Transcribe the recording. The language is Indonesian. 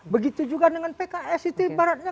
begitu juga dengan pks itu ibaratnya